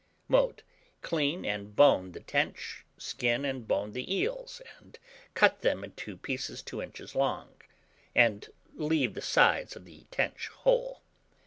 Mode. Clean and bone the tench, skin and bone the eels, and cut them into pieces 2 inches long, and leave the sides of the tench whole.